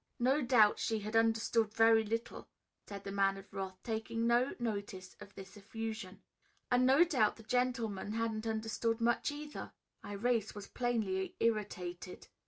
"No doubt she had understood very little," said the Man of Wrath, taking no notice of this effusion. "And no doubt the gentleman hadn't understood much either." Irais was plainly irritated.